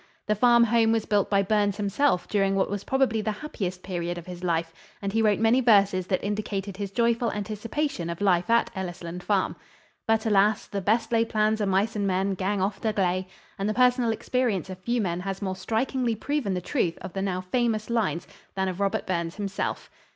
The farm home was built by Burns himself during what was probably the happiest period of his life, and he wrote many verses that indicated his joyful anticipation of life at Ellisland Farm. But alas, the "best laid plans o' mice and men gang oft agley," and the personal experience of few men has more strikingly proven the truth of the now famous lines than of Robert Burns himself!